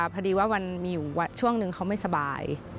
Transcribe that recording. พอดีว่ามันมีอยู่ช่วงนึงเขาไม่สบาย